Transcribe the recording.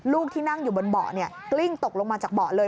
ที่นั่งอยู่บนเบาะกลิ้งตกลงมาจากเบาะเลย